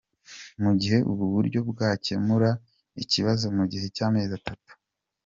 Mu gihe ubu buryo bwakemura ikibazo mu gihe cy’amezi atatu.